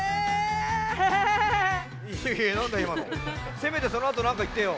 せめてそのあとなんかいってよ。